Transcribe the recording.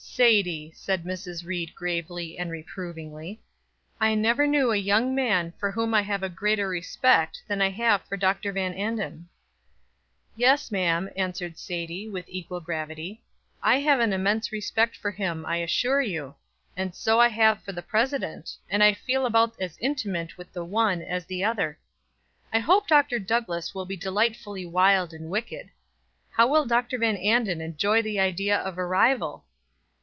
"Sadie," said Mrs. Ried gravely and reprovingly; "I never knew a young man for whom I have a greater respect than I have for Dr. Van Anden." "Yes, ma'am," answered Sadie, with equal gravity; "I have an immense respect for him I assure you, and so I have for the President, and I feel about as intimate with the one as the other. I hope Dr. Douglass will be delightfully wild and wicked. How will Dr. Van Anden enjoy the idea of a rival?"